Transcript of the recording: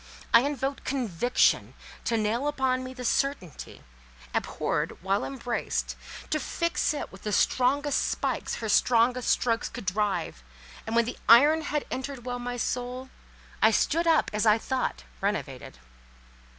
I invoked Conviction to nail upon me the certainty, abhorred while embraced, to fix it with the strongest spikes her strongest strokes could drive; and when the iron had entered well my soul, I stood up, as I thought, renovated.